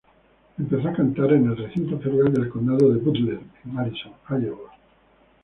Empezó a cantar en el recinto ferial del condado de Butler en Allison, Iowa.